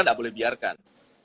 tidak boleh biarkan